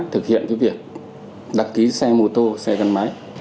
thực hiện cái việc đăng ký xe mô tô xe xe máy